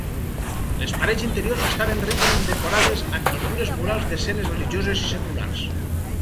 Les parets interiors estaven ricament decorades amb pintures murals d'escenes religioses i seculars.